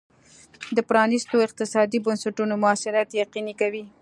د پرانیستو اقتصادي بنسټونو موثریت یقیني کوي.